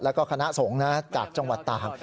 แล้วก็คณะสงฆ์จากจังหวัดต่าง